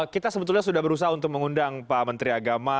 kita sebetulnya sudah berusaha untuk mengundang pak menteri agama